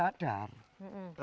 setelah saya memberitahu